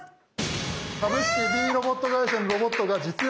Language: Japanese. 「株式Ｂロボット会社のロボットが実用化されると発表！」。